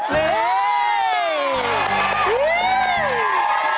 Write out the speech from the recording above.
โอ้โฮโอ้โฮ